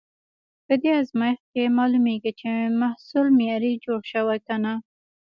په دې ازمېښت کې معلومېږي، چې محصول معیاري جوړ شوی که نه.